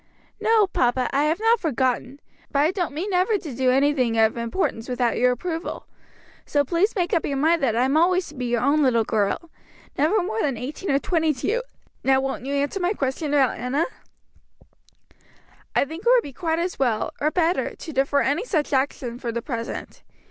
"No, papa, I have not forgotten; but I don't mean ever to do anything of importance without your approval. So please make up your mind that I'm always to be your own little girl; never more than eighteen or twenty to you. Now won't you answer my question about Enna?" "I think it would be quite as well, or better, to defer any such action for the present.